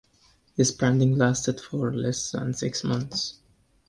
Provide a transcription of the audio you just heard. This branding lasted for less than six months.